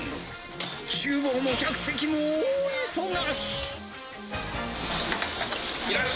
ちゅう房も客席も大忙し。